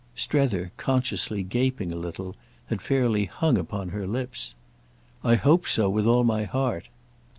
Strether, consciously gaping a little, had fairly hung upon her lips. "I hope so with all my heart."